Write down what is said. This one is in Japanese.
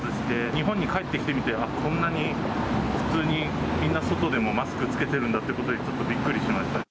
日本に帰ってきてみて、ああ、こんなに普通にみんな、外でもマスク着けてるんだということに、ちょっとびっくりしました。